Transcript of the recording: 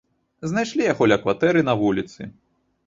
Знайшлі яго ля кватэры, на вуліцы.